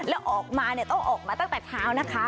แล้วออกมาต้องออกมาตั้งแต่เท้านะคะ